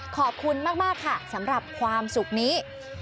ขอบคุณมากค่ะสำหรับความสุขนี้